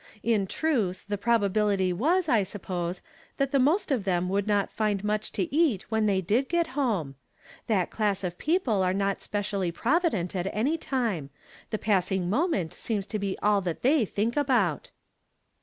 In truth, the probability was, I suppose, that the most of them would not find much to eat when they did get home. That class of peoi. Ie are not specially provident at any time ; the passing moment seems to be all that they think about."